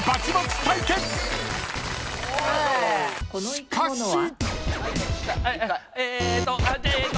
［しかし］えーっと。